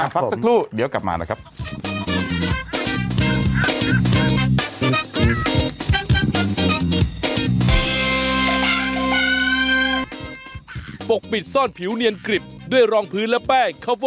พักสักครู่เดี๋ยวกลับมานะครับ